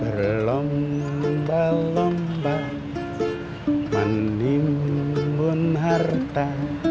berlomba lomba menimbun harta